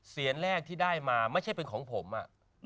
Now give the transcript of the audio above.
แรกที่ได้มาไม่ใช่เป็นของผมอ่ะ